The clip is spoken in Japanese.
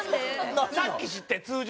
さっき知って通常。